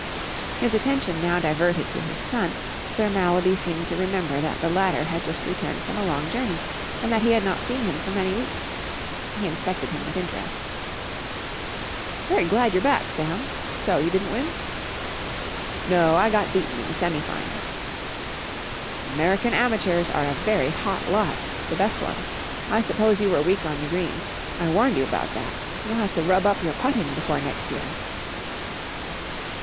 His attention now diverted to his son, Sir Mallaby seemed to remember that the latter had just returned from a long journey and that he had not seen him for many weeks. He inspected him with interest. "Very glad you're back, Sam. So you didn't win?" "No, I got beaten in the semi finals." "American amateurs are a very hot lot, the best ones. I suppose you were weak on the greens. I warned you about that. You'll have to rub up your putting before next year."